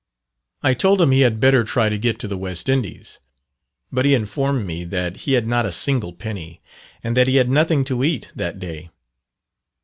I told him he had better try to get to the West Indies; but he informed me that he had not a single penny, and that he had nothing to eat that day.